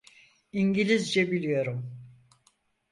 İngilizce biliyorum.